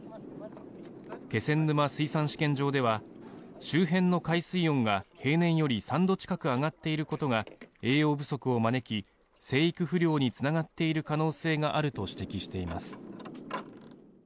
気仙沼水産試験場では周辺の海水温が平年より３度近く上がっていることが栄養不足を招き生育不良につながっている可能性があると指摘しています。